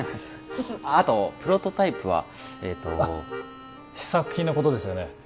あとプロトタイプはええと試作品のことですよね